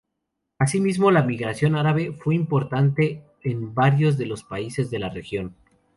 Asimismo, la migración árabe fue importante en varios de los países de la región.